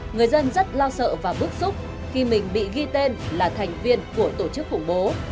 người dân rất lo sợ và bức xúc khi mình bị ghi tên là thành viên của tổ chức khủng bố